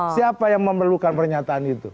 siapa yang memerlukan pernyataan itu